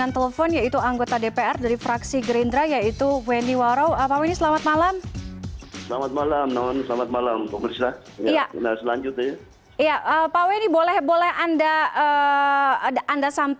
kedua anggota dpr tersebut juga tidak mengalami luka